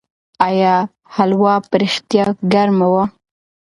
آیا هلوا په رښتیا ګرمه وه؟